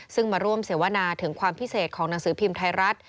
ซึ่งมาร่วมเสวนาถึงความพิเศษของหนังสือพิมพ์ไทยรัฐ